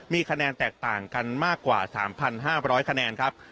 มีคะแนนแตกต่างกันมากกว่า๓๕๐๐คะแนนครับ